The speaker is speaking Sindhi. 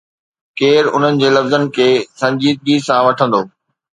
ڪير انهن جي لفظن کي سنجيدگي سان وٺندو؟